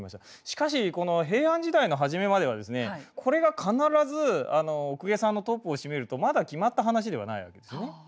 しかしこの平安時代の初めまではこれが必ずお公家さんのトップを占めるとまだ決まった話ではない訳ですよね。